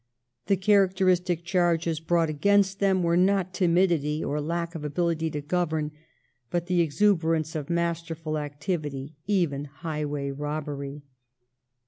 The character istic charges brought against them were not timidity or lack of ability to govern, but the exuberance of masterful activity, even highway robbery.'